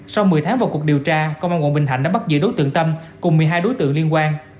sau một mươi tháng vào cuộc điều tra công an quận bình thạnh đã bắt giữ đối tượng tâm cùng một mươi hai đối tượng liên quan